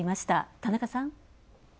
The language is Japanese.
田中さん。